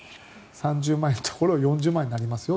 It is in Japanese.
４０万円のところが３０万円になりますよと。